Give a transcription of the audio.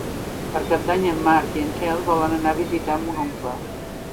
Per Cap d'Any en Marc i en Quel volen anar a visitar mon oncle.